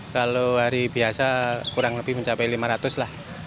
kalau hari biasa kurang lebih mencapai lima ratus lah